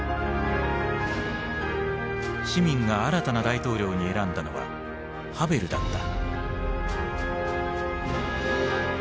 市民が新たな大統領に選んだのはハヴェルだった。